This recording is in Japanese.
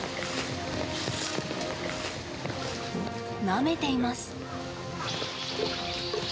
なめています。